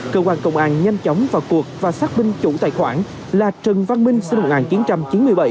cơ quan công an nhanh chóng vào cuộc và xác minh chủ tài khoản là trần văn minh sinh năm một nghìn chín trăm chín mươi bảy